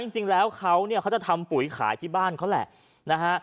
จริงแล้วเขาจะทำปุ๋ยขายที่บ้านเขาแหละ